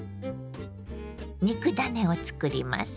肉ダネをつくります。